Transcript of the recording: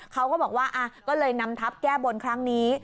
เขาก็บอกว่าก็เลยนำทัพแก้บนครั้งนี้